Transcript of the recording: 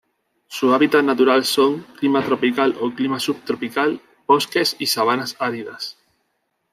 Su hábitat natural son: Clima tropical o Clima subtropical, bosques y sabanas áridas.